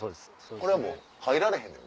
これはもう入られへんのよ。